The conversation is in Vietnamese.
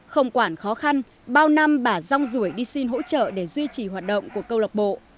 không quản khó khăn bao năm bà rong rủi đi xin hỗ trợ để duy trì hoạt động của câu lọc bộ